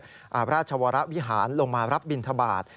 พระราชวรวิหารลงมารับบินทบาท